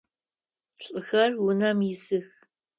Лӏыхэр унэм исых.